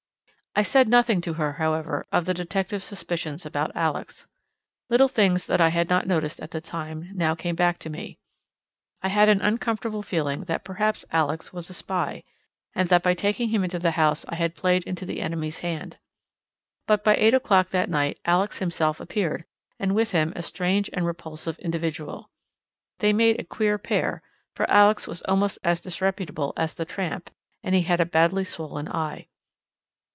I said nothing to her, however, of the detective's suspicions about Alex. Little things that I had not noticed at the time now came back to me. I had an uncomfortable feeling that perhaps Alex was a spy, and that by taking him into the house I had played into the enemy's hand. But at eight o'clock that night Alex himself appeared, and with him a strange and repulsive individual. They made a queer pair, for Alex was almost as disreputable as the tramp, and he had a badly swollen eye.